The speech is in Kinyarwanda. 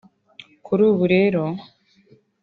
Kuri ubu rero